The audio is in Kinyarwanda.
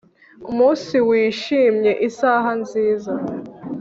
Umunsi Wishimye Isaha Nziza